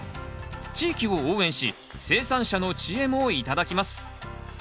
地域を応援し生産者の知恵も頂きます。